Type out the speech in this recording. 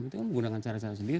itu menggunakan cara cara sendiri